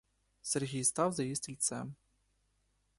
Сергій став за її стільцем.